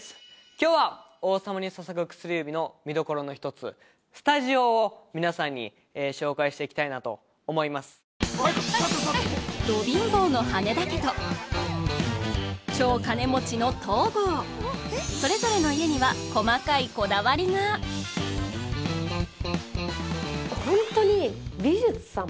今日は「王様に捧ぐ薬指」の見どころの１つ皆さんにと思いますド貧乏の羽田家と超金持ちの東郷それぞれの家には細かいこだわりがホントに美術さん